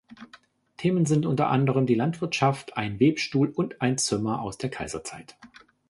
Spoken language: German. Themen sind unter anderem die Landwirtschaft, ein Webstuhl und ein Zimmer aus der Kaiserzeit.